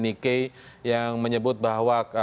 nike yang menyebut bahwa